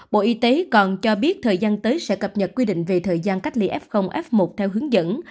bộ y tế còn cho biết thời gian tới sẽ cập nhật quy định về thời gian cách ly f f một theo hướng dẫn